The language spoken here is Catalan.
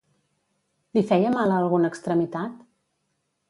Li feia mal a alguna extremitat?